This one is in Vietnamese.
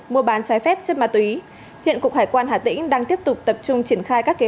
mua bán trái phép chất ma túy hiện cục hải quan hà tĩnh đang tiếp tục tập trung triển khai các kế